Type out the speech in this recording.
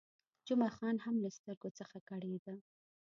جمعه خان هم له سترګو څخه کړېده.